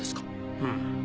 うん。